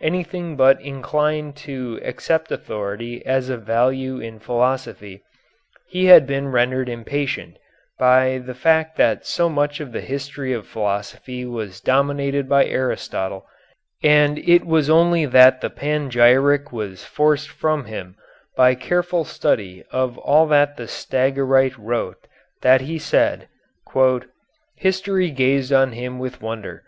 Anything but inclined to accept authority as of value in philosophy, he had been rendered impatient by the fact that so much of the history of philosophy was dominated by Aristotle, and it was only that the panegyric was forced from him by careful study of all that the Stagirite wrote that he said: "History gazed on him with wonder.